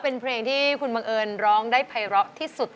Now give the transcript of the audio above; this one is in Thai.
เราเกิดมาใจวิว